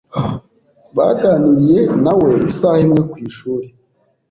Baganiriye nawe isaha imwe ku ishuri.